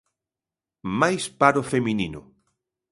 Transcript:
Máis paro feminino.